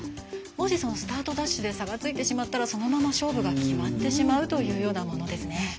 もし、そのスタートダッシュで差がついてしまったらそのまま勝負が決まってしまうというようなものですね。